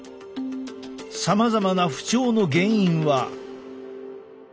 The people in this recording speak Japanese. さまざまな不調の原因は。